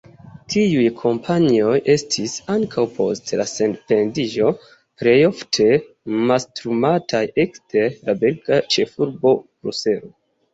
Tiuj kompanioj estis, ankaŭ post la sendependiĝo, plejofte mastrumataj ekde la belga ĉefurbo Bruselo.